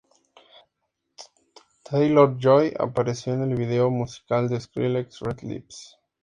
Taylor-Joy apareció en el video musical de Skrillex "Red Lips".